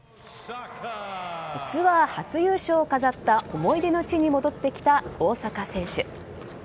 ツアー初優勝を飾った思い出の地に戻ってきた大坂選手。